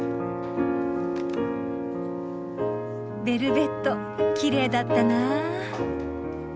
ベルベットきれいだったな。